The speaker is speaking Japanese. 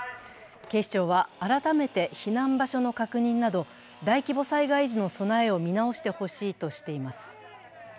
警視庁は改めて避難場所の確認など大規模災害時の備えを見直してほしいとしています。